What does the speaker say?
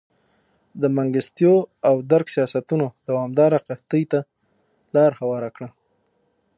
د منګستیو او درګ سیاستونو دوامداره قحطۍ ته لار هواره کړه.